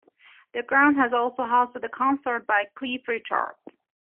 The ground has also hosted a concert by Cliff Richard.